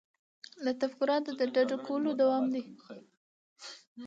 له تفکره د ډډه کولو دوام دی.